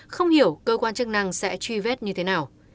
không hiểu cơ quan chức năng sẽ truy vết như thế nào